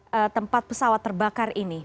di dekat tempat pesawat terbakar ini